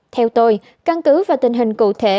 theo tôi căn cứ và tình hình cụ thể